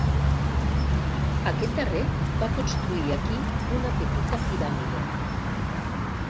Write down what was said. Aquest darrer va construir aquí una petita piràmide.